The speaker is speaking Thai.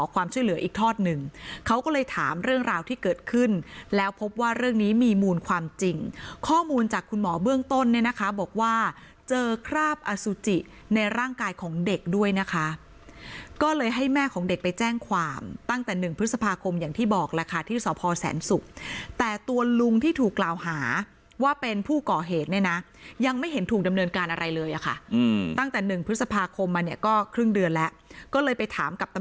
เขาก็เลยถามเรื่องราวที่เกิดขึ้นแล้วพบว่าเรื่องนี้มีมูลความจริงข้อมูลจากคุณหมอเบื้องต้นเนี่ยนะคะบอกว่าเจอคราบอสุจิในร่างกายของเด็กด้วยนะคะก็เลยให้แม่ของเด็กไปแจ้งความตั้งแต่หนึ่งพฤษภาคมอย่างที่บอกละค่ะที่ศพแสนศุกร์แต่ตัวลุงที่ถูกกล่าวหาว่าเป็นผู้ก่อเหตุเนี่ยนะยังไม่เห็นถ